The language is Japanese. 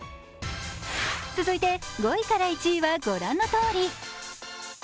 続いて５位から１位は御覧のとおり。